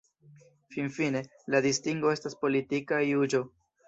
Finfine, la distingo estas politika juĝo.